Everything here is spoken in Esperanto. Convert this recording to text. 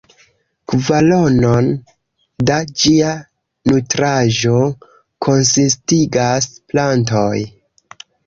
Kvaronon da ĝia nutraĵo konsistigas plantoj.